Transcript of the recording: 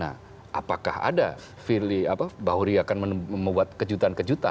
nah apakah ada bahwa dia akan membuat kejutan kejutan